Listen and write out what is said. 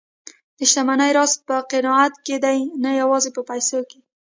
د شتمنۍ راز په قناعت کې دی، نه یوازې په پیسو کې.